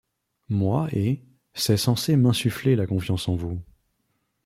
Moi Et c'est censé m'insuffler la confiance en vous.